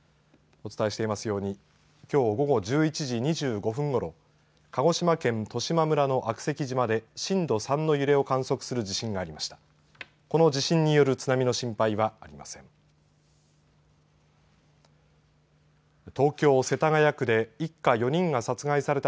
お伝えしていますようにきょう午後１１時２５分ごろ鹿児島県十島村の悪石島で震度３の揺れを観測する地震がありました。